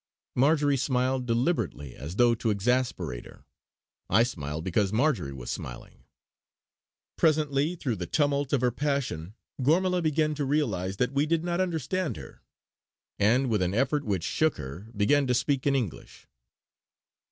Marjory smiled deliberately as though to exasperate her; I smiled because Marjory was smiling. Presently, through the tumult of her passion, Gormala began to realise that we did not understand her; and, with an effort which shook her, began to speak in English.